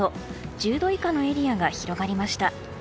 １０度以下のエリアが広がりました。